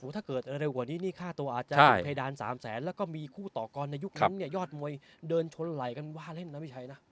ถ้าเกิดเร็วกว่านี้นี่ค่าตัวอาจจะถึงเพดาน๓แสนแล้วก็มีคู่ต่อกรในยุคนั้นเนี่ยยอดมวยเดินชนไหล่กันว่าเล่นนะพี่ชัยนะ